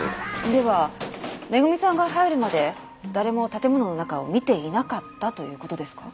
では恵さんが入るまで誰も建物の中を見ていなかったという事ですか？